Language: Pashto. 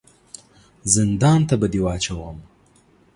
زندان ته به دي واچوم !